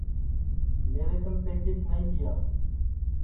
میرے کن پکیچ نائی تیا